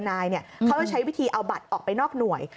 นายเขาจะใช้วิธีเอาบัตรออกไปนอกหน่วย